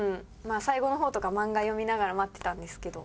最後の方とか漫画読みながら待ってたんですけど。